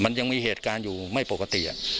มันยังมีเหตุการณ์อยู่ไม่ปกติ